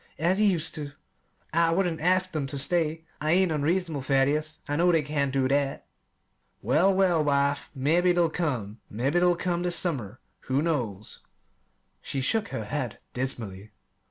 as he used to. I wouldn't ask 'em ter stay I ain't unreasonable, Thaddeus. I know they can't do that." "Well, well, wife, mebbe they'll come mebbe they'll come this summer; who knows?" She shook her head dismally.